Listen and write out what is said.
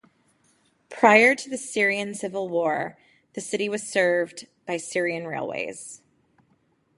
Prior to the Syrian Civil War the city was served by Syrian Railways.